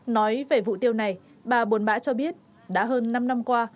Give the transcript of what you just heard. nói về vụ tiêu này bà bồn bã cho biết đã hơn năm năm qua